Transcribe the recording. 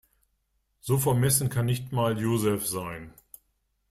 So vermessen kann nicht mal Joseph sein.